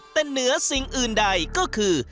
แต่เหนือสิ่งอื่นใดก็คือ